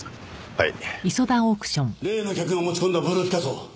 はい。